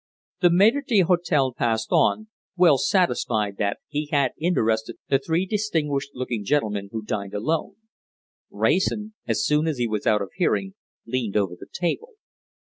The maître d'hôtel passed on, well satisfied that he had interested the three distinguished looking gentlemen who dined alone. Wrayson, as soon as he was out of hearing, leaned over the table.